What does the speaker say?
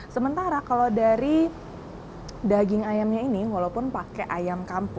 sementara kalau dari daging ayamnya ini walaupun pakai ayam kampung